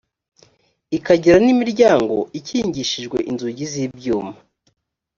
ikagira n’imiryango ikingishijwe inzugi z’ibyuma